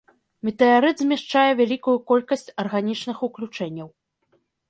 Метэарыт змяшчае вялікую колькасць арганічных уключэнняў.